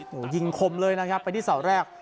โอ้โหยิงคมเลยนะครับไปที่เสาแรก